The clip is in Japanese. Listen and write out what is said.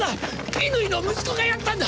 乾の息子がやったんだ！